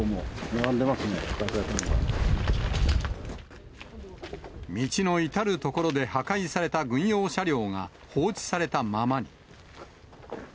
かなり、道の至る所で破壊された軍用車両が放置されたままに。